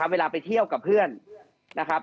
เวลาไปเที่ยวกับเพื่อนนะครับ